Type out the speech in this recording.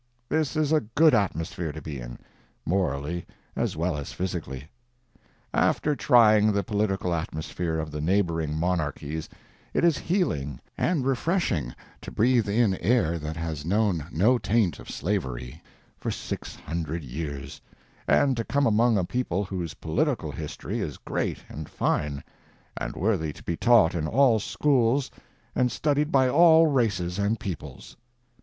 This is a good atmosphere to be in, morally as well as physically. After trying the political atmosphere of the neighboring monarchies, it is healing and refreshing to breathe in air that has known no taint of slavery for six hundred years, and to come among a people whose political history is great and fine, and worthy to be taught in all schools and studied by all races and peoples.